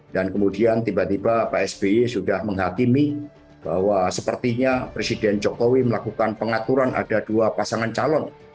dan kemudian tiba tiba pak sbi sudah menghakimi bahwa sepertinya presiden jokowi melakukan pengaturan ada dua pasangan calon